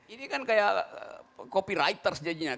ini kan kayak copywriter sejajinya